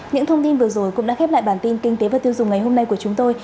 những thông tin vừa rồi cũng đã khép lại bản tin kinh tế và tiêu dùng ngày hôm nay của chúng tôi